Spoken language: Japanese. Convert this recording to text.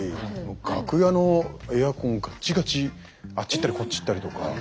楽屋のエアコンガッチガチあっち行ったりこっち行ったりとか。